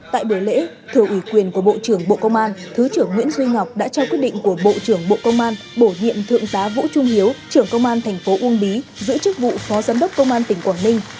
tại buổi lễ thưa ủy quyền của bộ trưởng bộ công an thứ trưởng nguyễn duy ngọc đã trao quyết định của bộ trưởng bộ công an bổ nhiệm thượng tá vũ trung hiếu trưởng công an thành phố uông bí giữ chức vụ phó giám đốc công an tỉnh quảng ninh